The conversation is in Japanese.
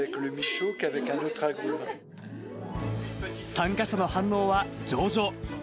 参加者の反応は上々。